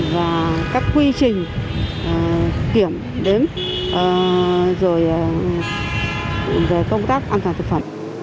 và các quy trình kiểm đếm rồi về công tác an toàn thực phẩm